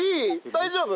大丈夫？